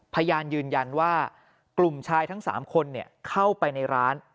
พยานยืนยันว่ากลุ่มชายทั้ง๓คนเข้าไปในร้าน